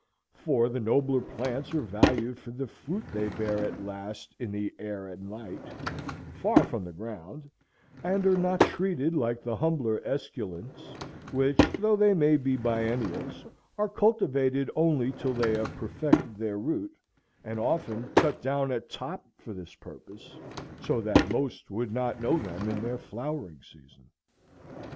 —for the nobler plants are valued for the fruit they bear at last in the air and light, far from the ground, and are not treated like the humbler esculents, which, though they may be biennials, are cultivated only till they have perfected their root, and often cut down at top for this purpose, so that most would not know them in their flowering season.